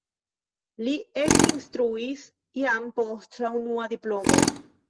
Li ekinstruis jam post la unua diplomo.